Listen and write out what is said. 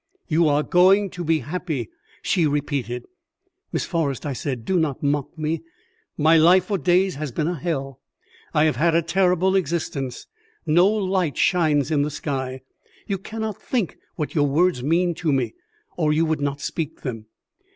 "You are going to be happy!" she repeated. "Miss Forrest," I said, "do not mock me. My life for days has been a hell. I have had a terrible existence; no light shines in the sky. You cannot think what your words mean to me, or you would not speak them."